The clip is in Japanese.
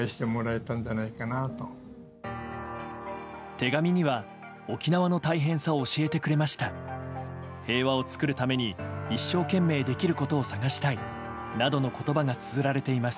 手紙には沖縄の大変さを教えてくれました平和を作るために一生懸命できることを探したいなどの言葉がつづられています。